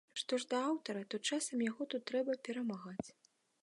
Што ж да аўтара, то часам яго тут трэба перамагаць.